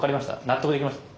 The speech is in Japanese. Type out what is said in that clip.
納得できました？